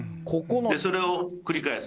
それを繰り返す。